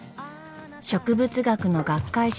植物学の学会誌